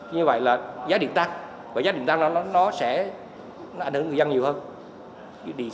như vậy là giá điện tăng và giá điện tăng nó sẽ ảnh hưởng người dân nhiều hơn